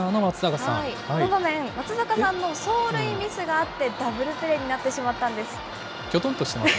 この場面、松坂さんの走塁ミスがあって、ダブルプレーになってしまったんです。